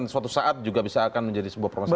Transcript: suatu saat juga bisa akan menjadi sebuah permasalahan